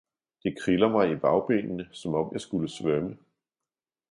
det kriller mig i bagbenene, som om jeg skulle svømme!